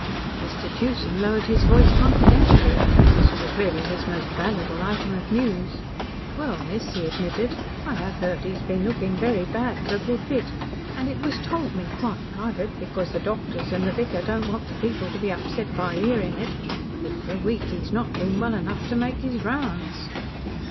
Mr. Tewson lowered his voice confidentially. This was really his most valuable item of news. "Well, miss," he admitted, "I have heard that he's been looking very bad for a good bit, and it was told me quite private, because the doctors and the vicar don't want the people to be upset by hearing it that for a week he's not been well enough to make his rounds."